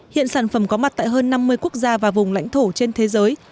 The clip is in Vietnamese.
hiện sản phẩm có mặt tại hơn năm mươi quốc gia và vùng lãnh thổ trên thế giới